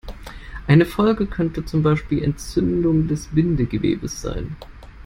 Eine Folge können zum Beispiel Entzündungen des Bindegewebes sein.